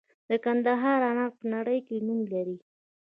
د کندهار انار په نړۍ کې نوم لري.